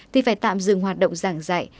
thì phải tạm dừng hoạt động giảng dạy